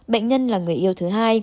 bệnh nhân là người yêu thứ hai